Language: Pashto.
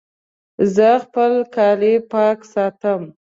زه خپل کالي پاک ساتم.